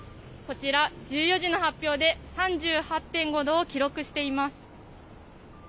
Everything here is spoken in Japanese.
こちら、１４時の発表で３８．５度を記録しています。